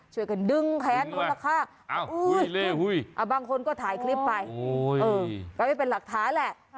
ช่วยกันดึงแขนคนละข้างบางคนก็ถ่ายคลิปไปก็ไม่เป็นหลักฐานแหละ